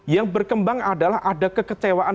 yang berkembang adalah ada kekecewaan